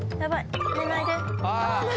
寝ないで。